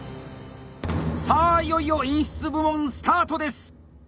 さあいよいよ演出部門スタートです！